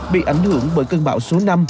bị ảnh hưởng bởi cơn bão số năm